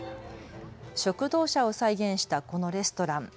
食堂車を再現したこのレストラン。